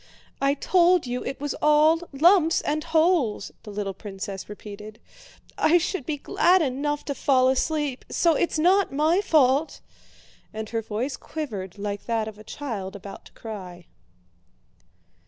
"I told you it was all lumps and holes!" the little princess repeated. "I should be glad enough to fall asleep, so it's not my fault!" and her voice quivered like that of a child about to cry.